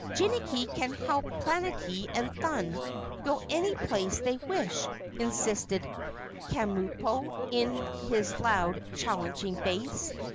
"Jinnicky can help Planetty and Thun go any place they wish," insisted Kabumpo in his loud challenging bass.